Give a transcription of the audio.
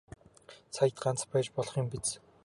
Саяд ганц байж болох юм биз.